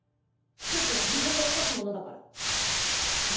奇跡は自分で起こすものだから。